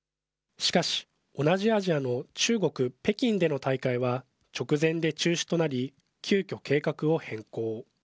しかし、同じアジアの中国・北京での大会は直前で中止となり、急きょ計画を変更。